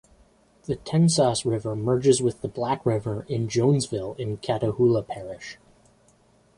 The Tensas River merges with the Black River in Jonesville in Catahoula Parish.